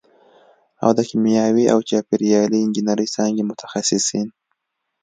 او د کیمیاوي او چاپېریالي انجینرۍ څانګې متخصصین